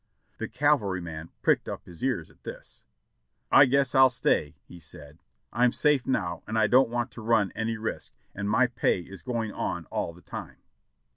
The cavalryman pricked up his ears at this. "I g^iess I'll stay," he said. "I'm safe now, and I don't want to run any risk, and my pay is going on all the time."